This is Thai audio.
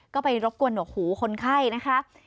ก็ไปรบกวนหวกหูคนไข้นะคะ